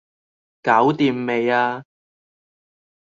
搞掂未呀?